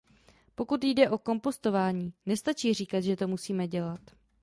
Pokud jde o kompostování, nestačí říkat, že to musíme dělat.